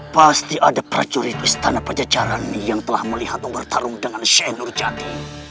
pasti ada prajurit istana pejajaran ini yang telah melihat bertarung dengan syekh nurjati